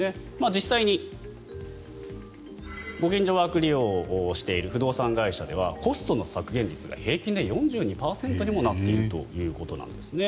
実際にご近所ワーク利用をしている不動産会社ではコストの削減率が平均で４２％にもなっているということなんですね。